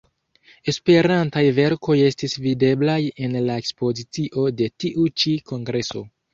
Esperantaj verkoj estis videblaj en la ekspozicio de tiu ĉi kongreso.